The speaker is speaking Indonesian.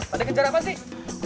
ada yang kejar apaan sih